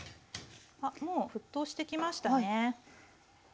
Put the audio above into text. あっもう沸騰してきましたね。